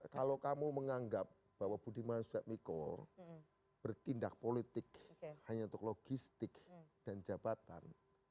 kalau kamu menganggap bahwa budiman sujadmiko bertindak politik hanya untuk logistik dan jabatan